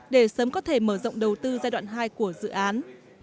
để sớm có thể mở rộng đầu tư giai đoạn hai của dự án